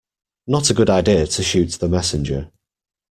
Not a good idea to shoot the messenger.